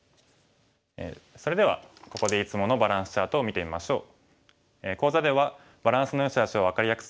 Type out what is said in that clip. それではここでいつものバランスチャートを見てみましょう。